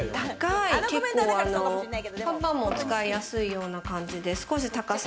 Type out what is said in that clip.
パパも使いやすいような感じで少し高さ、